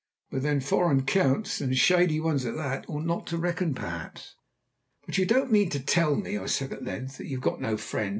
But then foreign Counts, and shady ones at that, ought not to reckon, perhaps. "But you don't mean to tell me," I said at length, "that you've got no friends?